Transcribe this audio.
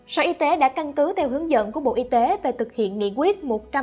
sở y tế đã căn cứ theo hướng dẫn của bộ y tế về thực hiện nghị quyết